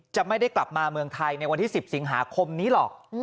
จะไม่ได้กลับมาเมืองไทยในวันที่๑๐สิงหาคมนี้หรอก